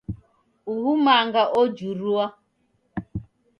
Uhu manga ojurua